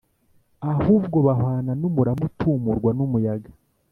Ahubwo bahwana n’umurama utumurwa n’umuyaga.